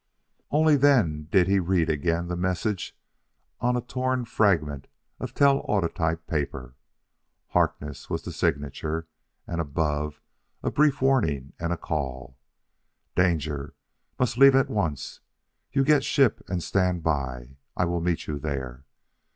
Only then did he read again the message on a torn fragment of telautotype paper. "Harkness," was the signature; and above, a brief warning and a call "Danger must leave at once. You get ship and stand by. I will meet you there."